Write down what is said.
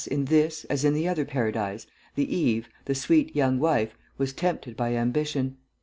in this, as in the other Paradise, the Eve, the sweet young wife, was tempted by ambition.